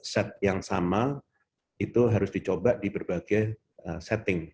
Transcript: set yang sama itu harus dicoba di berbagai setting